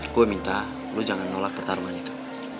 gue minta lo jangan nolak pertarungan itu